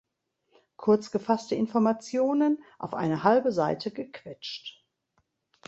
Kurzgefasste Informationen, auf eine halbe Seite gequetscht.